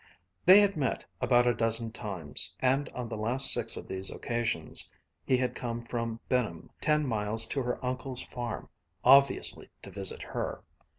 They had met about a dozen times, and on the last six of these occasions he had come from Benham, ten miles to her uncle's farm, obviously to visit her.